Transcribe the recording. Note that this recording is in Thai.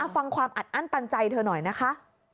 ฟังผ้าอาจอั้นต่างใจเธอหน่อยนะคะ